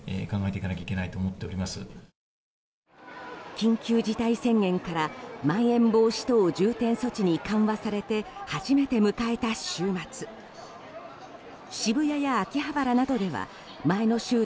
緊急事態宣言からまん延防止等重点措置に緩和されて初めて迎えた週末。